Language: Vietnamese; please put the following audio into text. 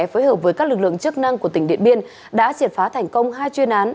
phối hợp với các lực lượng chức năng của tỉnh điện biên đã triệt phá thành công hai chuyên án